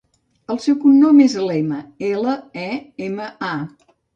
El seu cognom és Lema: ela, e, ema, a.